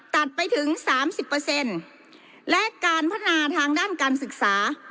ตัดไปถึงสามสิบเปอร์เซ็นต์และการพัฒนาทางด้านการศึกษา